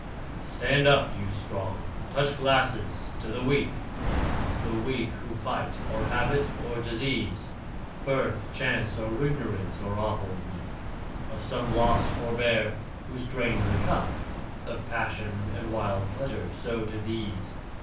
Stand up, you Strong! Touch glasses! To the Weak! The Weak who fight : or habit or disease, Birth, chance, or ignorance — or awful wreak Of some lost forbear, who has drained the cup Of pagsion and wild pleasure ! So ! To these.